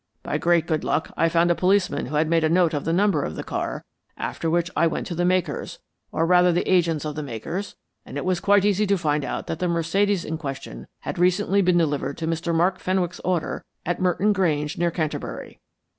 By great good luck I found a policeman who had made a note of the number of the car; after which I went to the makers, or rather the agents of the makers, and it was quite easy to find out that the Mercedes in question had recently been delivered to Mr. Mark Fenwick's order at Merton Grange near Canterbury.